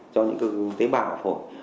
cho những tế bào ở phổi